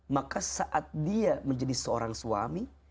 maka saat dia menjadi seorang suami